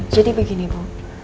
jadi begini bu